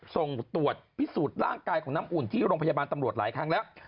ส่งตรวจพิสูจน์ร่างกายของน้ำอุ่นที่โรงพยาบาลตำรวจหลายครั้งแล้ว